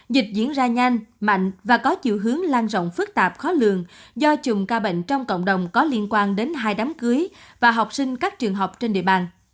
dịch diễn ra nhanh mạnh và có chiều hướng lan rộng phức tạp khó lường do chùm ca bệnh trong cộng đồng có liên quan đến hai đám cưới và học sinh các trường học trên địa bàn